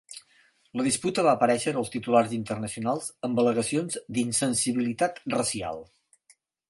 La disputa va aparèixer als titulars internacionals amb al·legacions d"insensibilitat racial.